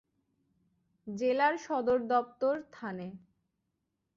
জেলার সদর দপ্তর থানে।